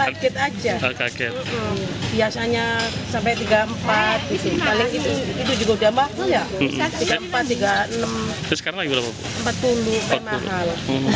keket aja biasanya sampai rp tiga puluh empat itu juga mahal ya rp tiga puluh enam rp empat puluh tapi mahal